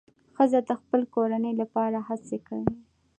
ښځه د خپل کورنۍ لپاره هڅې کوي.